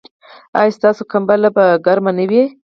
ایا ستاسو کمپله به ګرمه نه وي؟